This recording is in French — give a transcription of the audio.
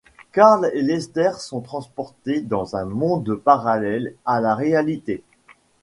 Carl et Lester sont transportés dans un monde parallèle à la réalité.